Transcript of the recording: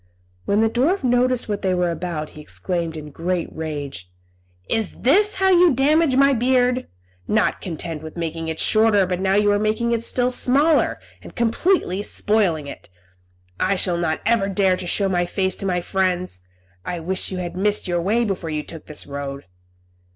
When the dwarf noticed what they were about, he exclaimed, in a great rage, "Is this how you damage my beard? Not content with making it shorter before, you are now making it still smaller, and completely spoiling it. I shall not ever dare to show my face to my friends. I wish you had missed your way before you took this road."